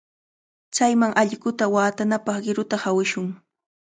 Chayman allquta watanapaq qiruta hawishun.